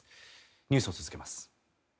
ニュースを続けます。